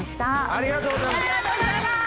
ありがとうございます。